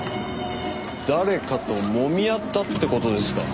誰かともみ合ったって事ですか。